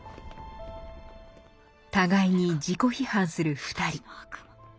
互いに自己批判する２人。